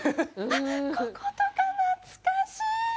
あっ、こことか懐かしい！